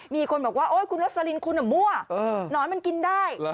มีคนบอกว่าโอ๊ยคุณรสลินคุณมั่วหนอนมันกินได้